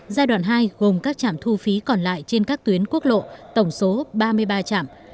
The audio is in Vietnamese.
giai đoạn hai gồm các trạm thu phí còn lại trên các tuyến quốc lộ tổng số ba mươi ba trạm